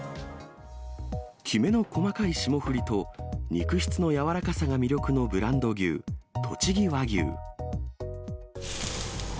きめの細かい霜降りと、肉質の柔らかさが魅力のブランド牛、とちぎ和牛。